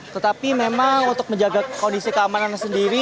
tetapi memang untuk menjaga kondisi keamanan sendiri